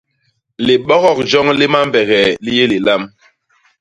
Libogok joñ li mambegee li yé lilam!